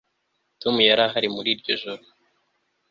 tom yari ahari muri iryo joro